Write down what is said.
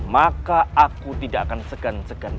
maka aku tidak akan segan segan